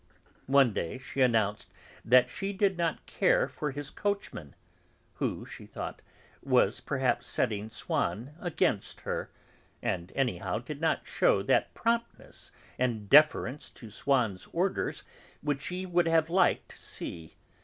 One day she announced that she did not care for his coachman, who, she thought, was perhaps setting Swann against her, and, anyhow, did not shew that promptness and deference to Swann's orders which she would have liked to see.